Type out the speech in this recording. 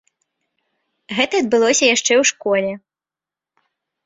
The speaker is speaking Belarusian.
Гэта адбылося яшчэ ў школе.